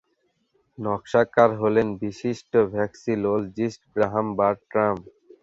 নকশাকার হলেন বিশিষ্ট ভেক্সিলোলজিস্ট গ্রাহাম বারট্রাম।